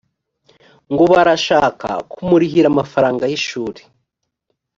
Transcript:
ngo barashaka kumurihira amafaranga y’ishuri